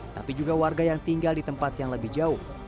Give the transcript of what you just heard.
tapi juga warga yang tinggal di tempat yang lebih jauh